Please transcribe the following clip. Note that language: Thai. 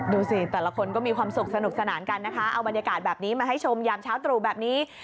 ดูสิแต่ละคนก็มีความสุขสนุกสนานกันนะคะเอาบรรยากาศแบบนี้มาให้ชมยามเช้าตรู่แบบนี้